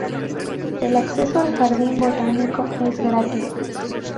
El acceso al jardín botánico es gratis.